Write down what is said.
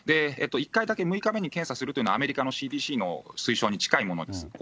１回だけ、６日目に検査するというのはアメリカのＣＤＣの推奨に近いものです。